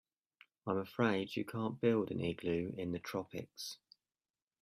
I'm afraid you can't build an igloo in the tropics.